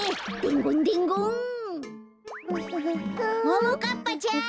ももかっぱちゃん！